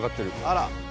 あら！